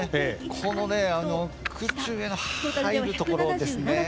この空中への入るところですね。